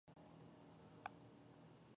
د ساه بندۍ لپاره د انیلر درمل کارېږي.